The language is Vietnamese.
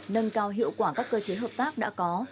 nâng cao hiệu quả các cơ chế hợp tác đã có